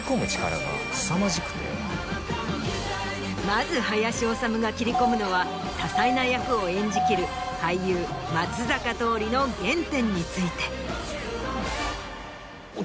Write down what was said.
まず林修が切り込むのは多彩な役を演じきる俳優松坂桃李の原点について。